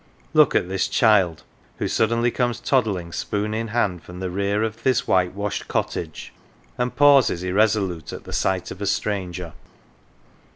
Look at this child who suddenly conies toddling, spoon in hand, from the rear of this whitewashed cottage, and pauses irresolute at the sight of a stranger.